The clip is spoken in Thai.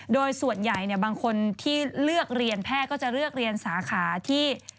โดยส่วนใหญ่บางคนที่เลือกเรียนแพทย์ก็จะเลือกเรียนสาขาที่